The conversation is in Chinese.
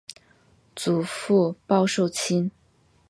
祖父鲍受卿。